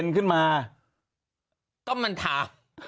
ก็มันถา